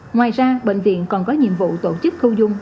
ngoài ra bệnh viện còn có nhiệm vụ tổ chức khâu dung